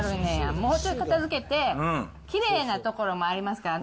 もうちょっと片づけて、きれいな所もありますから。